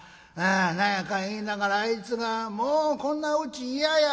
何やかんや言いながらあいつが『もうこんなうち嫌や！』